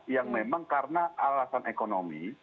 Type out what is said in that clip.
yang memang karena alasan ekonomi